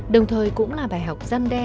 đồng thời cũng là bài học gian đe